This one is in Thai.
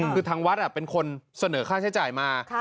คือทางวัดเป็นคนเสนอค่าใช้จ่ายมา